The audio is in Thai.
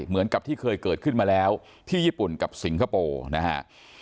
เหมือนกับที่เคยเกิดขึ้นมาแล้วที่ญี่ปุ่นกับสิงคโปร์นะฮะ